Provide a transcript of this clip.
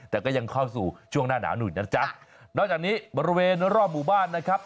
แต่ก็ยังเข้าสู่ช่วงหน้าหนาวหน่อยนะจ๊ะนอกจากนี้บริเวณรอบหมู่บ้านนะครับ